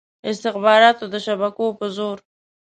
استخباراتو د شبکو په زور.